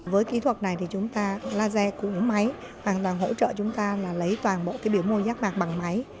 với kỹ thuật này thì chúng ta laser cũ máy hoàn toàn hỗ trợ chúng ta là lấy toàn bộ cái biểu mô giác mạc bằng máy